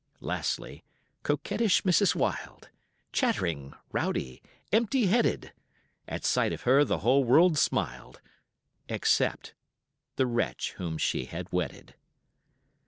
Lastly coquettish Mrs. Wild, Chattering, rowdy, empty headed; At sight of her the whole world smiled, Except the wretch whom she had wedded.